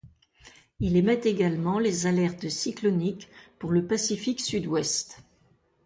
Il émet également les alertes cycloniques pour le Pacifique sud-ouest.